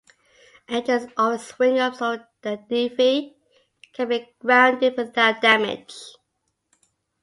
Engines always swing up so the dinghy can be grounded without damage.